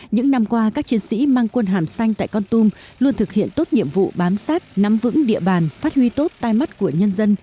những năm qua các chiến sĩ mang quân hàm xanh tại con tum luôn thực hiện tốt nhiệm vụ bám sát nắm vững địa bàn phát huy tốt tai mắt của nhân dân